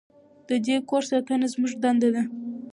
د دې کور ساتنه زموږ دنده ده.